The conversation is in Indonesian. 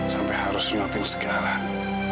sampai harus ngapain sekarang